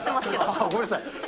ああ、ごめんなさい。